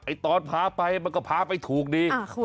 ตอนพาไปมันก็พาไปถูกดี